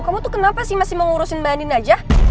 kamu tuh kenapa sih masih mau ngurusin mbak andin aja